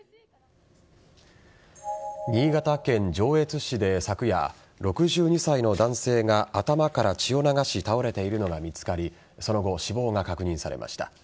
新潟県上越市で昨夜６２歳の男性が頭から血を流して倒れているのが見つかりその後、死亡が確認されました。